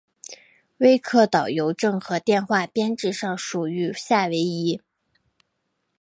威克岛邮政和电话编制上属于夏威夷。